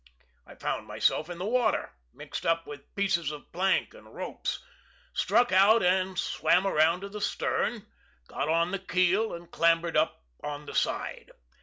I found myself in the water, mixed up with pieces of plank and ropes; struck out, swam round to the stern, got on the keel, and clambered up on the side.